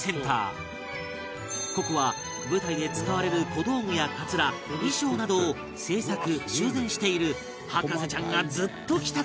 ここは舞台で使われる小道具やカツラ衣装などを製作・修繕している博士ちゃんがずっと来たかった場所